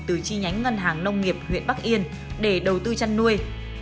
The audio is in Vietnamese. từ chi nhánh ngân hàng nông nghiệp huyện bắc yên để đầu tư chăn nuôi